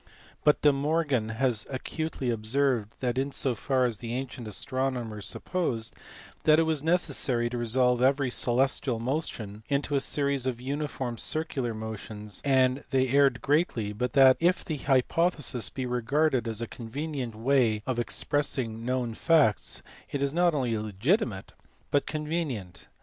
But De Morgan has acutely observed that in so far as the ancient astronomers supposed that it was necessary to resolve every celestial motion into a series of uniform circular motions they erred greatly, but that, if the hypothesis be regarded as a convenient way of expressing known facts, it is not only legitimate but con venient.